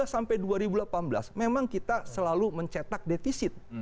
dua ribu empat belas sampai dua ribu delapan belas memang kita selalu mencetak defisit